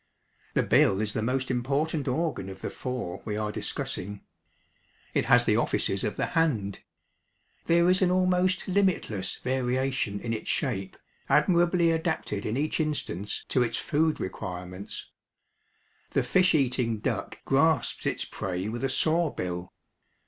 The bill is the most important organ of the four we are discussing. It has the offices of the hand. There is an almost limitless variation in its shape, admirably adapted in each instance to its food requirements. The fish eating duck grasps its prey with a saw bill.